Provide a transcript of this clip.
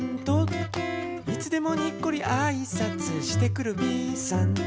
「いつでもにっこりあいさつしてくるＢさん」